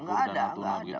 enggak enggak ada